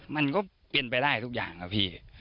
มันก็เปลี่ยนไปได้ทุกอย่างนะพี่